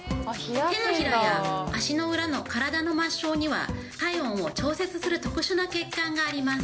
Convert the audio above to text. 手のひらや足の裏の体の末しょうには体温を調節する特殊な血管があります。